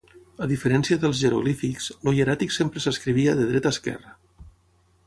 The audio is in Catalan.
A diferència dels jeroglífics, el hieràtic sempre s'escrivia de dreta a esquerra.